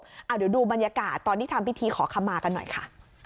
เดี๋ยวดูบรรยากาศตอนที่ทำพิธีขอคำมากันหน่อยค่ะ